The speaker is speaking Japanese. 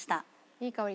いい香り。